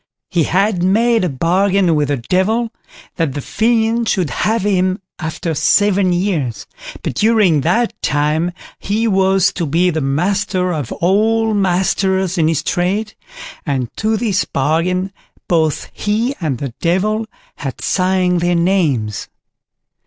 He had made a bargain with the Devil, that the fiend should have him after seven years, but during that time he was to be the master of all masters in his trade, and to this bargain both he and the Devil had signed their names.